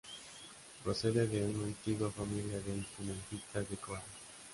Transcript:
Procede de una antigua familia de instrumentistas de kora.